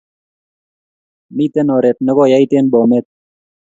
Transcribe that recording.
Miten oret neko yait en bomet